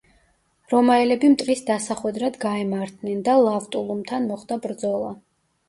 რომაელები მტრის დასახვედრად გაემართნენ და ლავტულუმთან მოხდა ბრძოლა.